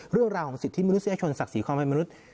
เรื่องราวของสิทธิมนุษยชนศักดิ์ศรีความเป็นมนุษย์